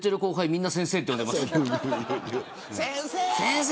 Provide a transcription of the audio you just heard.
みんな先生って呼んでます。